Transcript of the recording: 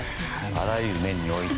あらゆる面において。